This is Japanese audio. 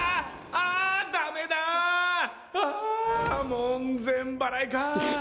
あぁ門前払いか。